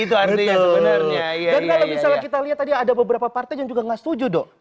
dan kalau misalnya kita lihat tadi ada beberapa partai yang juga nggak setuju dong